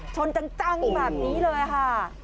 ชนจังแบบนี้เลยค่ะ